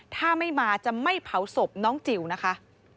ถ้าไม่มาจะไม่เผาศพน้องจิ๋วนะคะ